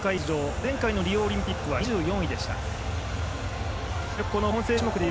前回のオリンピックは２４位でした。